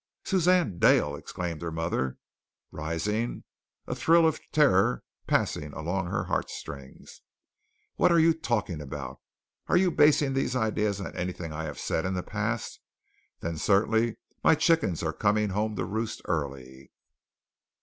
"Suzanne Dale!" exclaimed her mother, rising, a thrill of terror passing along her heartstrings. "What are you talking about? Are you basing these ideas on anything I have said in the past? Then certainly my chickens are coming home to roost early.